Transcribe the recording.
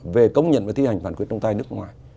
về công nhận và thi hành phán quyết trọng tài nước ngoài